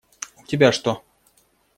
У тебя что?